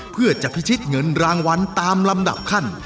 เพื่อจะพิชิตเงินรางวัลตามลำดับขั้น